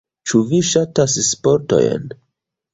Ĉu vi ŝatas sportojn?